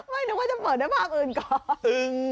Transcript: ไม่นึกว่าจะเปิดในภาพอื่นก่อน